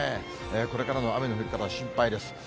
これからの雨の降り方、心配です。